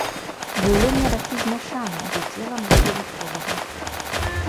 Жыўленне ракі змяшанае, з удзелам ледавіковага.